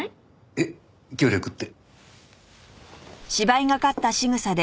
えっ協力って？